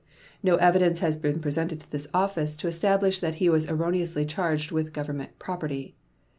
No evidence has been presented to this office to establish that he was erroneously charged with Government property.